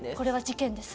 事件です。